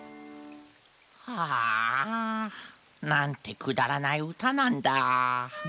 あなんてくだらないうたなんだ。